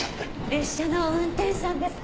列車の運転士さんですか？